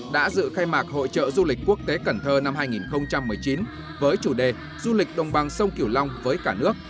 đã dự khai mạc hội trợ du lịch quốc tế cần thơ năm hai nghìn một mươi chín với chủ đề du lịch đồng bằng sông kiểu long với cả nước